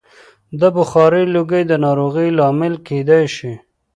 د بخارۍ لوګی د ناروغیو لامل کېدای شي.